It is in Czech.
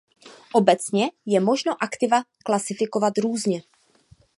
Obecně je možno aktiva klasifikovat různě.